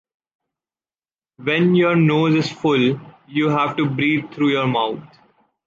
When your nose is full, you have to breathe through your mouth.